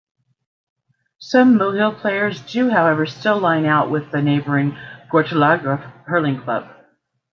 Some Mohill players do however still line out with the neighbouring Gortlettragh Hurling Club.